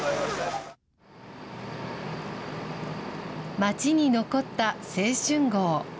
町に残った青春号。